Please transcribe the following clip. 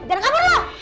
jangan kabur lo